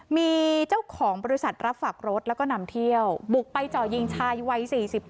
มีเจ้าของบริษัทรับฝากรถแล้วก็นำเที่ยวบุกไปเจาะยิงชายวัย๔๗